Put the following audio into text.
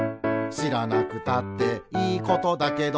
「しらなくたっていいことだけど」